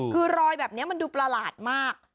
คือรอยแบบนี้มันดูประหลาดมาก